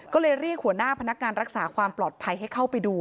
ก็เลยเรียกหัวหน้าพนักงานรักษาความปลอดภัยให้เข้าไปดู